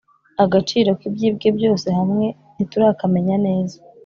agaciro k’ibyibwe byose hamwe ntiturakamenya neza